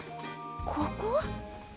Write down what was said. ここ？